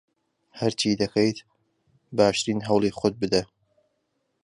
هەرچی دەکەیت، باشترین هەوڵی خۆت بدە.